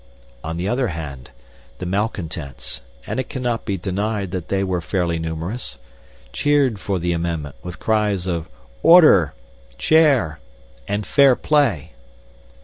On the other hand, the malcontents and it cannot be denied that they were fairly numerous cheered for the amendment, with cries of 'Order!' 'Chair!' and 'Fair play!'